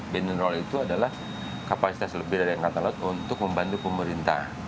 bineral itu adalah kapasitas lebih dari angkatan laut untuk membantu pemerintah